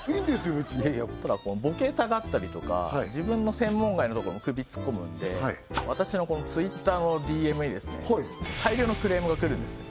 別にただボケたがったりとか自分の専門外のとこにも首突っ込むんで私のＴｗｉｔｔｅｒのＤＭに大量のクレームがくるんですね